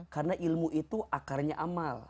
karena ilmu itu akarnya amal